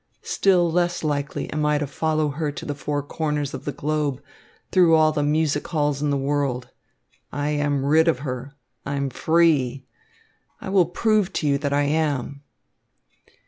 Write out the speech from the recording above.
Still less likely am I to follow her to the four corners of the globe, through all the music halls in the world. I am rid of her! I am free! I will prove to you that I am."